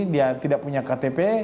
dia tidak punya ktp